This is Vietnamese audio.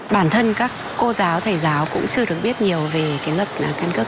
bản thân các cô giáo thầy giáo cũng chưa được biết nhiều về cái luật căn cước